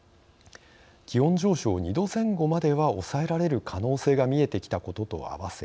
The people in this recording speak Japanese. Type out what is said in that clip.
気温上昇２℃前後までは抑えられる可能性が見えてきたことと合わせ